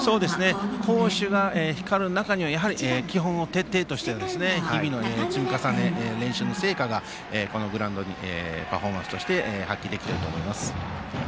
好守が光る中には基本を徹底して日々の積み重ね、練習の成果がこのグラウンドでパフォーマンスとして発揮できていると思います。